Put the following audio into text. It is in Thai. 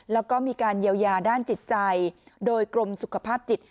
แล้วก็มีการเยียวยาด้านจิตใจโดยกรมสุขภาพจิต